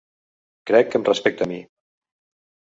Crec que em respecta a mi.